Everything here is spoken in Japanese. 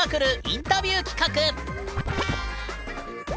インタビュー企画